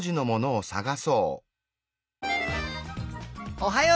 おはよう！